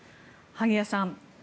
萩谷さん